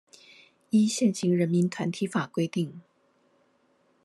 依現行人民團體法規定